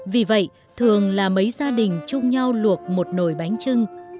vì vậy thường là mấy gia đình chung nhau luộc một nồi bánh trưng